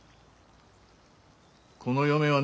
この嫁はね